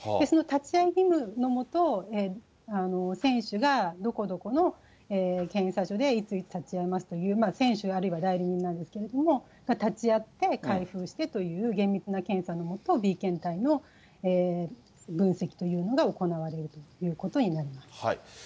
その立ち会い義務の下、選手がどこどこの検査所でいついつ立ち会いますという選手あるいは代理人なんですけれども、立ち会って、開封してという厳密な検査の下、Ｂ検体の分析というのが行われるということになります。